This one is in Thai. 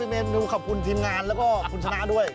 เมนูขอบคุณทีมงานแล้วก็คุณชนะด้วย